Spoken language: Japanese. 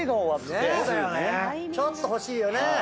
ちょっと欲しいよね。